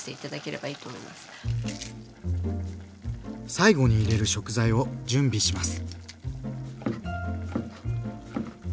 最後に入れる食材を準備します。